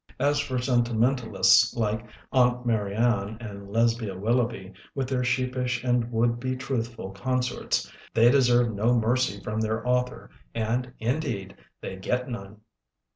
As for sentimentalists like Aunt Marianne and Lesbia Willoughby, with their sheep ish and would be truthful consorts, they deserve no mercy from their author and, indeed, they get none.